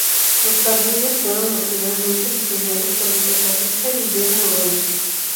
Los jardines fueron originalmente diseñados por el paisajista Guillermo Renner.